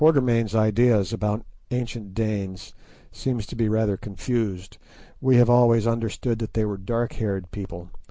Mr. Quatermain's ideas about ancient Danes seem to be rather confused; we have always understood that they were dark haired people.